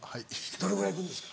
どれぐらいいくんですか？